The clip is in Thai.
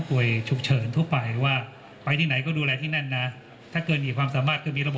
ก็จะเกิดภาพที่บูรณาการทั้งหมดนะครับ